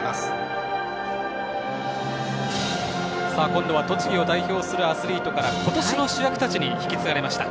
今度は栃木を代表するアスリートから今年の主役たちに引き継がれました。